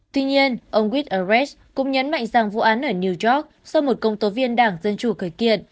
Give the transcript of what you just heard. tuy nhiên ông wit eres cũng nhấn mạnh rằng vụ án ở new york do một công tố viên đảng dân chủ khởi kiện